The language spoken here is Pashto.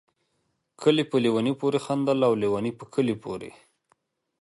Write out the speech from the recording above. کلي په ليوني پوري خندل ، او ليوني په کلي پوري